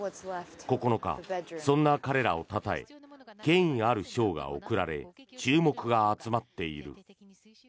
９日、そんな彼らをたたえ権威ある賞が贈られ注目が集まっている。